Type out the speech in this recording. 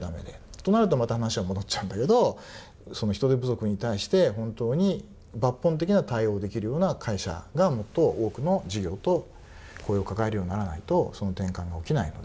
となるとまた話は戻っちゃうんだけど人手不足に対して本当に抜本的な対応できるような会社がもっと多くの事業と雇用を抱えるようにならないとその転換が起きないので。